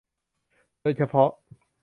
โดยเฉพาะ